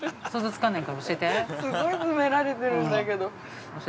◆すごい詰められてるんだけど。